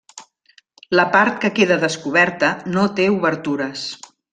La part que queda descoberta, no té obertures.